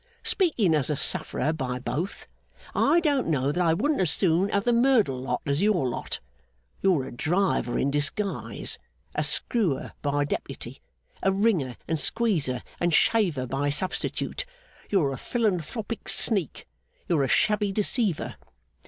Speaking as a sufferer by both, I don't know that I wouldn't as soon have the Merdle lot as your lot. You're a driver in disguise, a screwer by deputy, a wringer, and squeezer, and shaver by substitute. You're a philanthropic sneak. You're a shabby deceiver!